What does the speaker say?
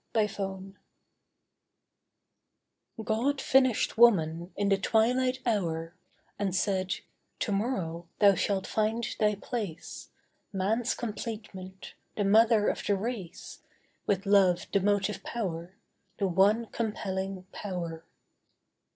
THE COST God finished woman in the twilight hour And said, 'To morrow thou shalt find thy place: Man's complement, the mother of the race— With love the motive power— The one compelling power.